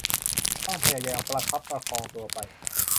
ต้องพยายามประคับประคองตัวไป